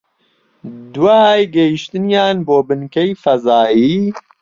دوای گەیشتنیان بۆ بنکەی فەزایی